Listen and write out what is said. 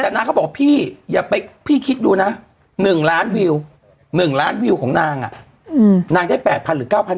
แต่นางก็บอกว่าพี่อย่าไปพี่คิดดูนะ๑ล้านวิว๑ล้านวิวของนางนางได้๘๐๐หรือ๙๐๐